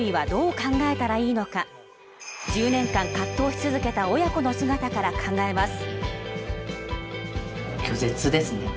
１０年間葛藤し続けた親子の姿から考えます。